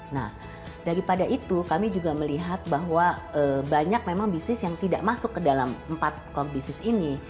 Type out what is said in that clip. nah daripada itu kami juga melihat bahwa banyak memang bisnis yang tidak masuk ke dalam empat bisnis ini